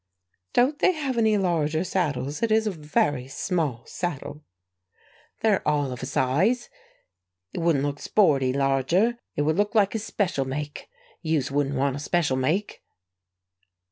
"Don't they have any with larger saddles? It is a very small saddle." "They're all of a size. It wouldn't look sporty larger; it would look like a special make. Yous wouldn't want a special make."